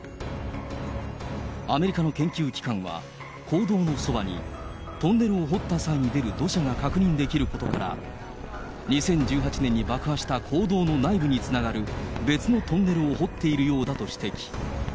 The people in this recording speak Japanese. アメリカの研究機関は坑道のそばに、トンネルを掘った際に出る土砂が確認できることから、２０１８年に爆破した坑道の内部につながる、別のトンネルを掘っているようだと指摘。